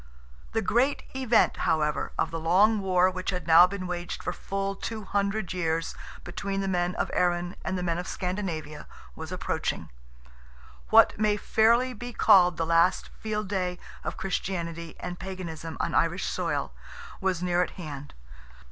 The great event, however, of the long war which had now been waged for full two hundred years between the men of Erin and the men of Scandinavia was approaching. What may fairly be called the last field day of Christianity and Paganism on Irish soil, was near at hand.